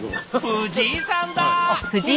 藤井さんだ！